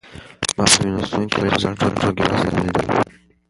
ما په مېلمستون کې له خپل یو زاړه ټولګیوال سره ولیدل.